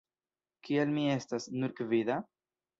Kial mi estas "nur gvida"?